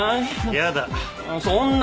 やだ。